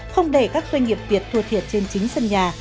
không để các doanh nghiệp việt thua thiệt trên chính sân nhà